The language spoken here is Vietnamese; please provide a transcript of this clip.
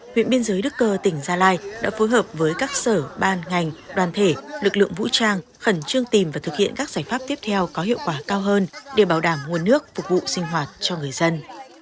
huyện biên giới đức cơ tỉnh gia lai đã phối hợp với các sở ban ngành đoàn thể lực lượng vũ trang khẩn trương tìm và thực hiện các giải pháp tiếp theo có hiệu quả cao hơn để bảo đảm nguồn nước phục vụ sinh hoạt cho người dân